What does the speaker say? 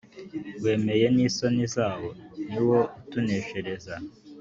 wemeye n'isoni zawo: ni wo utuneshereza.